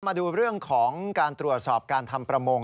มาดูเรื่องของการตรวจสอบการทำประมง